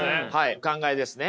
お考えですね。